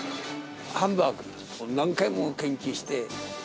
ハンバーグ、何回も研究して。